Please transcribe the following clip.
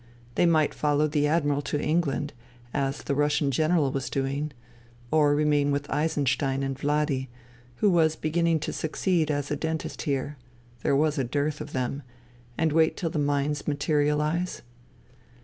They might follow the Admiral to England, as the Russian General was doing ; or remain with Eisenstein in Vladi, who was beginning to succeed as a dentist here — ^there was a dearth of them — and wait till the mines materialize